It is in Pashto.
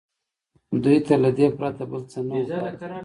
دوی ته له دې پرته بل څه نه وو پاتې